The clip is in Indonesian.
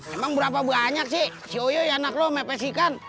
emang berapa banyak sih si oyo yang anak lu mepes ikan